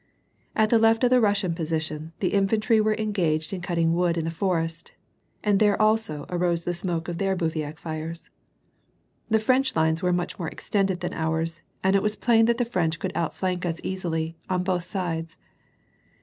At the left of the llussian position, the infantry were en gaged in cutting wood in the forest, and there also arose the smoke of their bivouac fires. The French lines were much more extended than ours, and it was plain tliat the French could outflank us easily, on both sides.